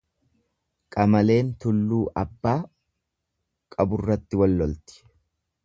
Qamaleen tulluu abbaa qaburratti wal lolti.